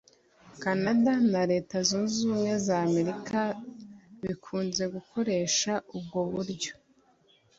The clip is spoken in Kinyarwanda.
Canada na Leta Zunze ubumwe z’Amerika bikunze gukoresha ubwo buryo